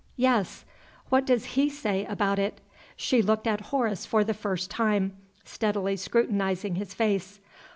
"Yes." "What does he say about it?" She looked at Horace for the first time, steadily scrutinizing his face.